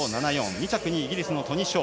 ２着にイギリスのトニ・ショー。